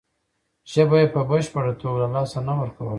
ژبه یې په بشپړه توګه له لاسه نه ورکوله.